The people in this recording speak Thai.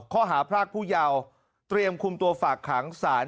ข้อหาพรากผู้เยาว์เตรียมคุมตัวฝากขังศาล